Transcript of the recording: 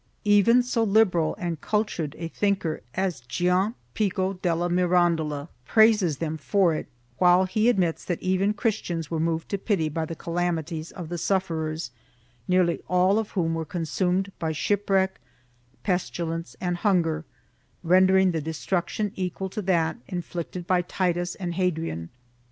2 Even so liberal and cultured a thinker as Gian Pico della Mirandola, praises them for it, while he admits that even Christians were moved to pity by the calamities of the sufferers, nearly all of whom were consumed by shipwreck, pestilence and hunger, rendering the destruction equal to that inflicted by Titus and Hadrian.